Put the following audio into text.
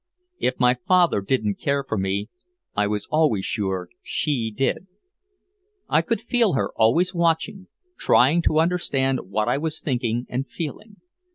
If my father didn't care for me, I was always sure she did. I could feel her always watching, trying to understand what I was thinking and feeling.